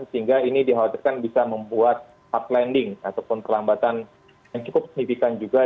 sehingga ini dikhawatirkan bisa membuat up landing ataupun perlambatan yang cukup signifikan juga